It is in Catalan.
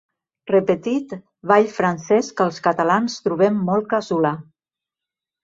Repetit, ball francès que els catalans trobem molt casolà.